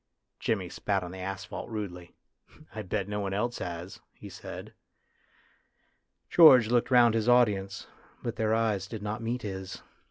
Jimmy spat on the asphalt rudely. " I bet no one else has," he said. George looked round his audience, but their eyes did not meet his.